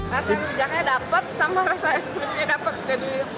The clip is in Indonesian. rasa rujaknya dapat sama rasa es krimnya dapat